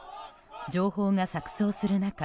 情報が錯綜する中